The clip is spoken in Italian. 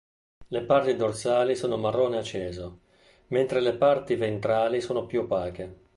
Le parti dorsali sono marrone acceso, mentre le parti ventrali sono più opache.